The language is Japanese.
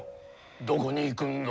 どこに行くんだ？